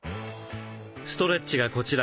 ストレッチがこちら。